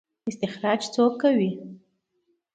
استخراج څوک کوي؟